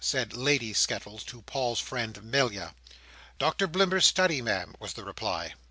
said Lady Skettles to Paul's friend, "Melia. "Doctor Blimber's study, Ma'am," was the reply.